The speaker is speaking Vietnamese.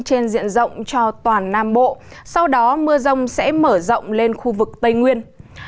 trên diện rộng cho toàn nam bộ sau đó mưa rông sẽ mở rộng lên khu vực tây nguyên